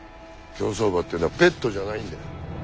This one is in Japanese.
競走馬ってのはペットじゃないんだ。